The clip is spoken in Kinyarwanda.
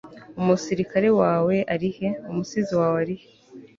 umusirikare wawe ari he? umusizi wawe ari he